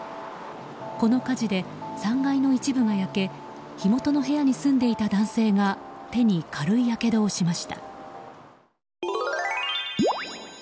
この火事で３階の一部が焼け火元の部屋に住んでいた男性が手に軽いやけどをしました。